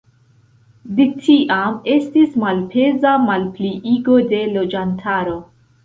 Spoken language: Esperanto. De tiam, estis malpeza malpliigo de loĝantaro.